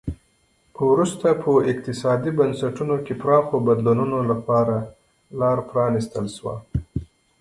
وروسته په اقتصادي بنسټونو کې پراخو بدلونونو لپاره لار پرانیستل شوه.